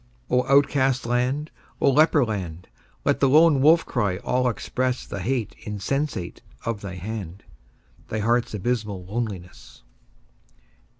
O outcast land! O leper land! Let the lone wolf cry all express The hate insensate of thy hand, Thy heart's abysmal loneliness.